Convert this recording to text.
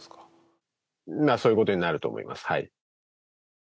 そういうことになると思います。